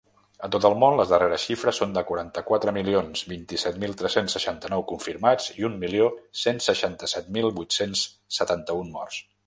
A tot el món, les darreres xifres són de quaranta-quatre milions vint-i-set mil tres-cents seixanta-nou confirmats i un milió cent seixanta-set mil vuit-cents setanta-un morts.